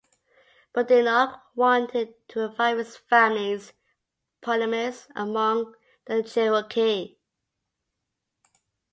Boudinot wanted to revive his family's prominence among the Cherokee.